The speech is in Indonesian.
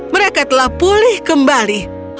mereka telah pulih kembali